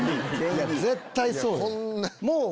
絶対そうよ。